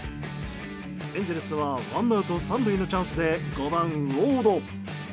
エンゼルスはワンアウト３塁のチャンスで５番、ウォード。